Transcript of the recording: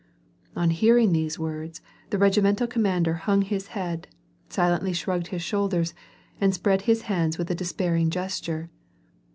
On hearing these words, the regimental commander hung his head, silently shrugged his shoulders, and spread his hands with a despairing gesture.